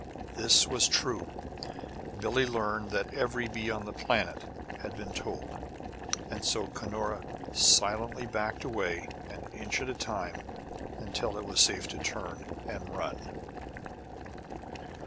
This was true; Billie learned that every bee on the planet had been told. And so Cunora silently backed away, an inch at a time, until it was safe to turn and run.